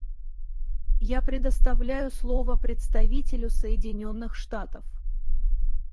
Я предоставляю слово представителю Соединенных Штатов.